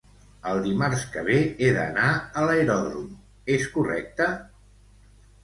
El dimarts que ve he d'anar a l'aeròdrom és correcte?